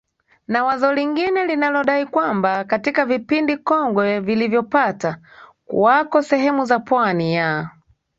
na wazo lingine linalodai kwamba katika vipindi kongwe vilivyopata kuwako sehemu za Pwani ya